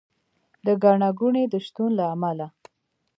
د ګڼه ګوڼې د شتون له امله